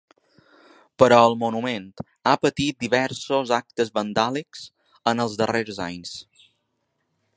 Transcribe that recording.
Però el monument ha patit diversos actes vandàlics en els darrers anys.